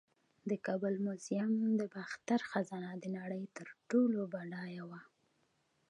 د کابل میوزیم د باختر خزانه د نړۍ تر ټولو بډایه وه